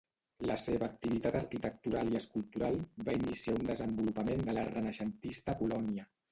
La seva activitat arquitectural i escultural va iniciar un desenvolupament de l'art renaixentista a Polònia.